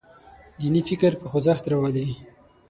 دیني فکر په خوځښت راولي.